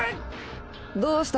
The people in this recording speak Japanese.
どうした？